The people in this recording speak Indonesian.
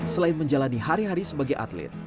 selain menjalani hari hari sebagai atlet